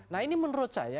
nah ini menurut saya